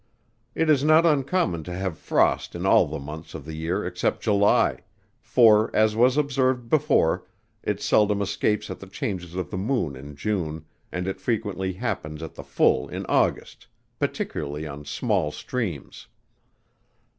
It is not uncommon to have frost in all the months in the year except July: for, as was observed before, it seldom escapes at the changes of the moon in June, and it frequently happens at the full in August, particularly on small streams.